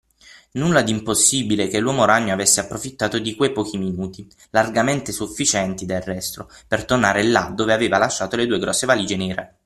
Nulla d’impossibile che l’uomo ragno avesse approfittato di quei pochi minuti – largamente sufficienti del resto – per tornare là dove aveva lasciato le due grosse valige nere